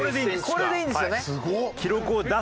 これでいいんですよね。